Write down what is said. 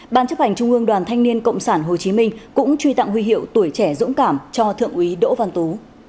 ban chấp hành trung ương đoàn thanh niên cộng sản hồ chí minh cũng truy tặng huy hiệu tuổi trẻ dũng cảm cho thượng úy đỗ văn tú